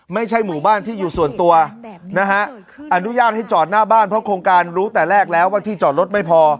ไม่ใช่หมู่บ้านที่อยู่ส่วนตัวนะฮะอนุญาตให้จอดหน้าบ้านเพราะโครงการรู้แต่แรกแล้วว่าที่จอดรถไม่พอ